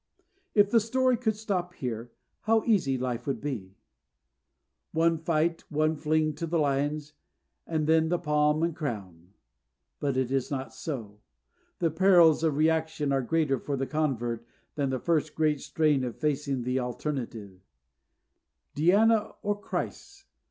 If the story could stop here, how easy life would be! One fight, one fling to the lions, and then the palm and crown. But it is not so. The perils of reaction are greater for the convert than the first great strain of facing the alternative, "Diana or Christ."